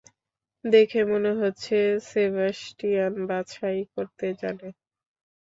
দেখে মনে হচ্ছে সেবাস্টিয়ান বাছাই করতে জানে।